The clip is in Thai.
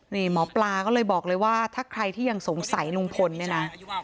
นี่หมอปลาก็เลยบอกเลยว่าถ้าใครที่ยังสงสัยลุงพลเนี่ยนะ